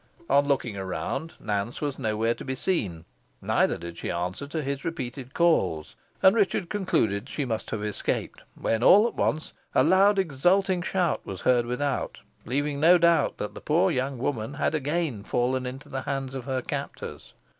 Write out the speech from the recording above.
On looking around, Nance was nowhere to be seen, neither did she answer to his repeated calls, and Richard concluded she must have escaped, when all at once a loud exulting shout was heard without, leaving no doubt that the poor young woman had again fallen into the hands of her captors.